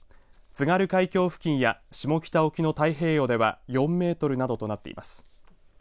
津軽海峡付近や下北沖の太平洋では４メートルとなどとなっています。